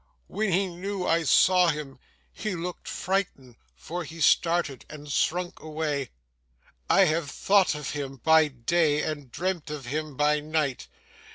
When he knew I saw him, he looked frightened; for he started, and shrunk away. I have thought of him by day, and dreamt of him by night.